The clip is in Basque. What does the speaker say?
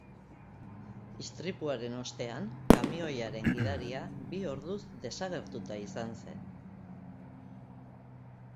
Istripuaren ostean, kamioiaren gidaria bi orduz desagertuta izan zen.